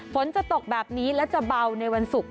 ฝนจะตกแบบนี้และจะเบาในวันศุกร์